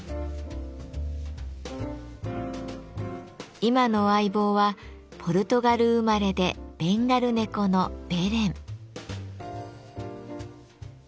今の相棒はポルトガル生まれでベンガル猫のベレン。